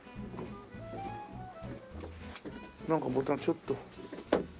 なんかボタンちょっと。